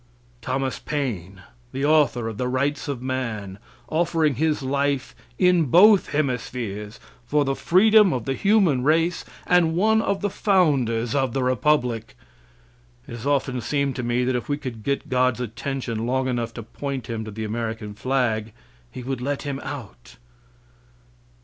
Thomas Paine, the author of the "Rights of Man," offering his life in both hemispheres for the freedom of the human race, and one of the founders of the Republic it has often seemed to me that if we could get God's attention long enough to point Him to the American flag, He would let him out.